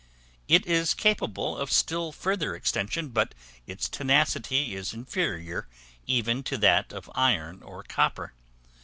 It is capable of still further extension, but its tenacity is inferior even to that of iron or copper.